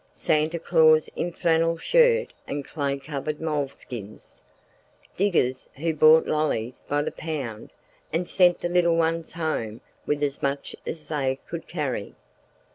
Santa Claus in flannel shirt and clay covered moleskins. Diggers who bought lollies by the pound and sent the little ones home with as much as they could carry.